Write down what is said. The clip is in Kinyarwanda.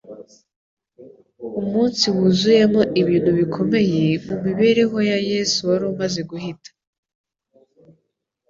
Umunsi wuzuyemo ibintu bikomeye, mu mibereho ya Yesu wari umaze guhita.